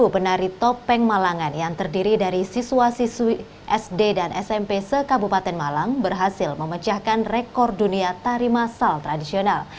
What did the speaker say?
dua puluh penari topeng malangan yang terdiri dari siswa siswi sd dan smp sekabupaten malang berhasil memecahkan rekor dunia tari masal tradisional